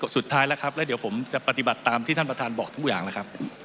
สุดท้ายแล้วครับแล้วเดี๋ยวผมจะปฏิบัติตามที่ท่านประธานบอกทุกอย่างแล้วครับ